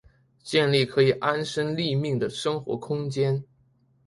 建立可以安身立命的生活空间